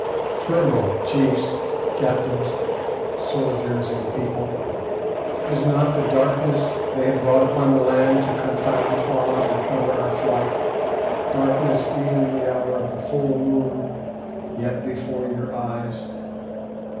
Tremble, chiefs, captains, soldiers, and people! Is not the darkness they have brought upon the land to confound Twala and cover our flight, darkness even in the hour of the full moon, yet before your eyes?"